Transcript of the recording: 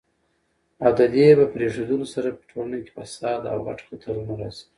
او ددي په پريښودلو سره په ټولنه کي فساد او غټ خطرونه راځي